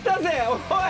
おい！